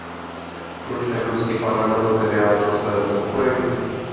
Proč Evropský parlament nevyjádřil své znepokojení?